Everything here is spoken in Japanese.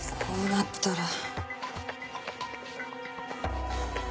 こうなったら。